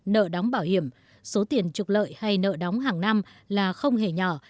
nợ đóng bảo hiểm số tiền trục lợi hay nợ đóng hàng năm là không hề nhỏ